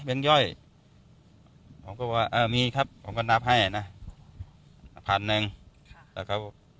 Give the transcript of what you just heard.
แบงค์ย่อยผมก็ว่าเอ่อมีครับผมก็นับให้น่ะพันธุ์หนึ่งค่ะแล้วเขา